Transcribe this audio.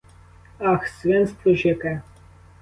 Ах, свинство ж яке.